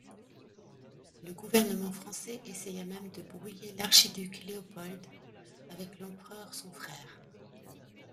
Le gouvernement français essaya même de brouiller l’archiduc Léopold avec l’Empereur son frère.